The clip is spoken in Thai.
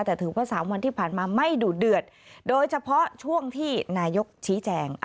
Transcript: แต่ถือว่า๓วันที่ผ่านมาไม่ดุเดือดโดยเฉพาะช่วงที่นายกชี้แจง